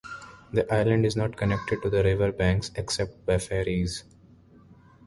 The island is not connected to the river banks except by ferries.